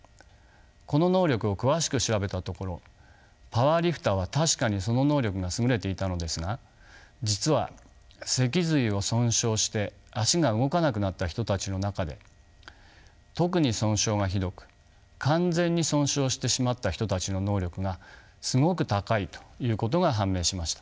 この能力を詳しく調べたところパワーリフターは確かにその能力が優れていたのですが実は脊髄を損傷して足が動かなくなった人たちの中で特に損傷がひどく完全に損傷してしまった人たちの能力がすごく高いということが判明しました。